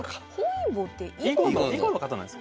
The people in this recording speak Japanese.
あでも囲碁の方なんです